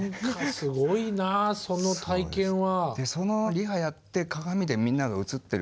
すごいなその体験は。